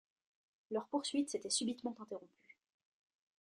Leur poursuite s’était subitement interrompue.